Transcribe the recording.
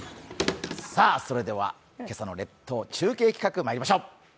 それでは、今朝の列島中継企画まいりましょう。